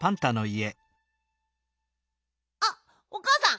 あっおかあさん